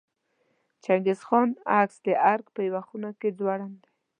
د چنګیز خان عکس د ارګ په یوه خونه کې ځوړند دی.